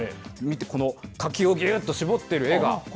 この柿をぎゅーっと絞っている絵が。